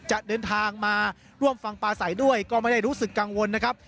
จะเดินทางมาร่วมฟังปลาใสด้วยก็ไม่ได้รู้สึกกังวลนะครับ